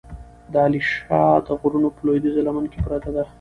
د علیشې د غرونو په لودیځه لمن کې پرته ده،